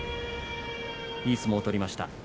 いい相撲を取りました。